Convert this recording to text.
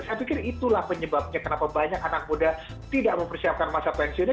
saya pikir itulah penyebabnya kenapa banyak anak muda tidak mempersiapkan masa pensiunnya